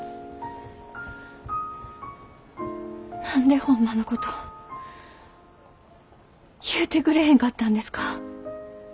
何でホンマのこと言うてくれへんかったんですか？